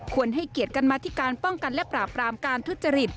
ให้เกียรติกันมาธิการป้องกันและปราบรามการทุจริต